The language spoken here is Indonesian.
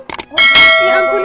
tepat di angkurnya burung